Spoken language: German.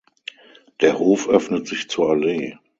Der Hof öffnet sich zur Allee.